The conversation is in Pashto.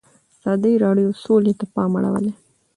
ازادي راډیو د سوله ته پام اړولی.